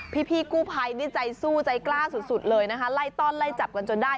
พี่กู้ภัยนี่ใจสู้ใจกล้าสุดเลยนะคะไล่ต้อนไล่จับกันจนได้